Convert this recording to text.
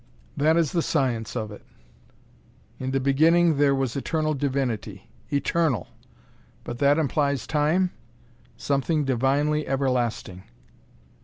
That is the science of it. In the Beginning there was Eternal Divinity. Eternal! But that implies Time? Something Divinely Everlasting.